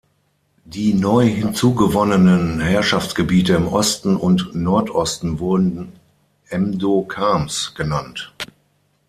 Die neu hinzugewonnenen Herrschaftsgebiete im Osten und Nordosten wurden Mdo-Khams genannt.